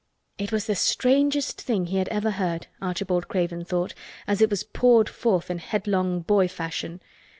It was the strangest thing he had ever heard, Archibald Craven thought, as it was poured forth in headlong boy fashion.